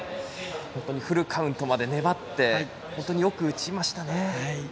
フルカウントまで粘って本当によく打ちましたね。